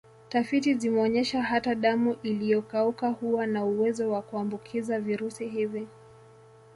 Tafiti zimeonyesha hata damu iliyokauka huwa na uwezo wa kuambukiza virusi hivi